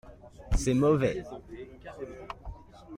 C’est mauvais.